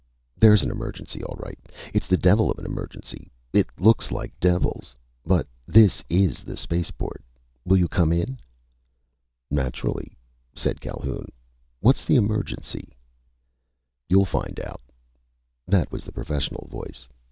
There's an emergency, all right! It's the devil of an emergency it looks like devils! But this is the spaceport. Will you come in?_" "Naturally," said Calhoun. "What's the emergency?" "You'll find out...." That was the professional voice.